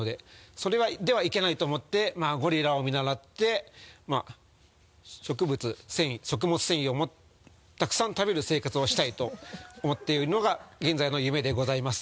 それではいけないと思ってゴリラを見習って食物繊維をたくさん食べる生活をしたいと思っているのが現在の夢でございます。